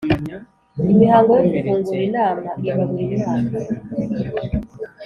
imihango yo gufungura inama iba buri mwaka